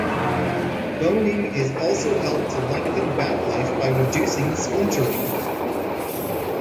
Boning is also held to lengthen bat life by reducing splintering.